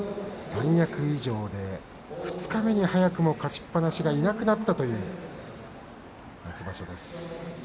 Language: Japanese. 三役以上で二日目に早くも勝ちっぱなしがいなくなったという夏場所です。